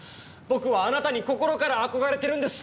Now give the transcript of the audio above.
僕はあなたに心から憧れてるんです！